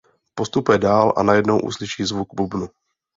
Postupuje dál a najednou uslyší zvuk bubnu.